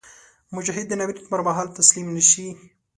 مجاهد د ناورین پر مهال تسلیم نهشي.